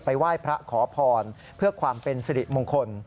ไหว้พระขอพรเพื่อความเป็นสิริมงคล